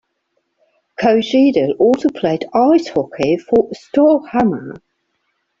Kojedal also played ice hockey for Storhamar.